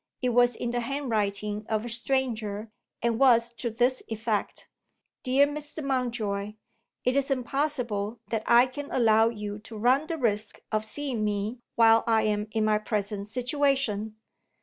It was in the handwriting of a stranger, and was to this effect: "Dear Mr. Mountjoy, It is impossible that I can allow you to run the risk of seeing me while I am in my present situation.